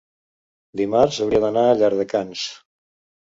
dimarts hauria d'anar a Llardecans.